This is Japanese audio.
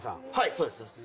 そうですそうです。